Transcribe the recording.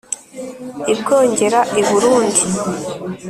i bwongera: i burundi